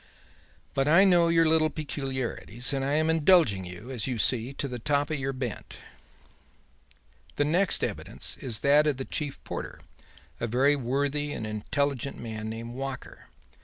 But I know your little peculiarities and I am indulging you, as you see, to the top of your bent. The next evidence is that of the chief porter, a very worthy and intelligent man named Walker.